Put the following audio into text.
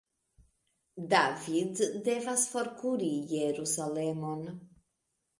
David devas forkuri Jerusalemon.